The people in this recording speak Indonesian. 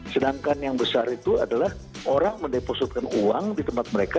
sedangkan yang besar itu adalah orang mendepositkan uang di tempat mereka